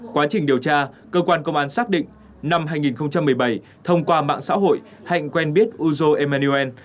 quá trình điều tra cơ quan công an xác định năm hai nghìn một mươi bảy thông qua mạng xã hội hạnh quen biết uzo emaniuel